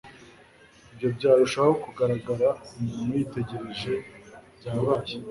ibyo byarushaho kugaragara, umuntu yitegereje ibyabaye